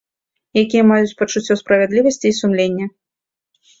Якія маюць пачуццё справядлівасці і сумленне.